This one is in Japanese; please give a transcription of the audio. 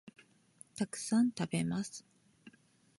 たくさん、食べます